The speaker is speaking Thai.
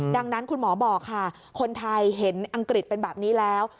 ดังนั้นคุณหมอบอกค่ะคนไทยเห็นอังกฤษเป็นแบบนี้แล้ว